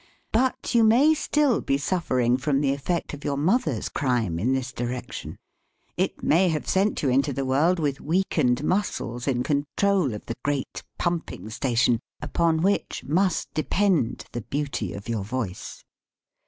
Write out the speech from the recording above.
But you may still be suffering from the effect of your mother's crime in this direction. It may have sent you into the world with weakened muscles in control of the great pumping station upon which must depend the beauty of your voice.